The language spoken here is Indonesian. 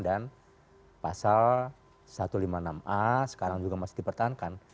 dan pasal satu ratus lima puluh enam a sekarang juga masih dipertahankan